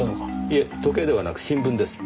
いえ時計ではなく新聞です。